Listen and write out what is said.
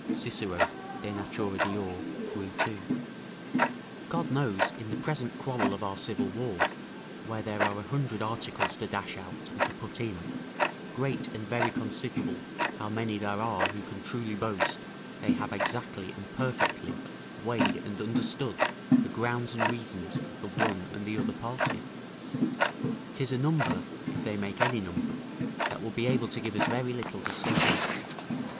Cicero, De Natura Deor., iii. 2.] God knows, in the present quarrel of our civil war, where there are a hundred articles to dash out and to put in, great and very considerable, how many there are who can truly boast, they have exactly and perfectly weighed and understood the grounds and reasons of the one and the other party; 'tis a number, if they make any number, that would be able to give us very little disturbance.